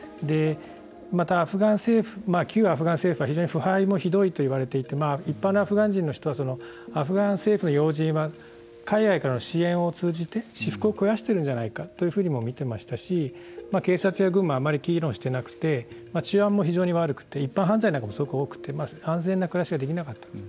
またアフガン政府旧アフガン政府は非常に腐敗もひどいと言われていて一般のアフガン人の人はアフガン政府要人は私腹を肥やしているんじゃないかというふうにも見ていましたし警察や軍もあまり機能していなくて治安も非常に悪くて一般犯罪も多くて安全な暮らしができなかったんです。